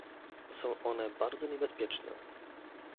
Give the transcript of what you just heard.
Są one bardzo niebezpieczne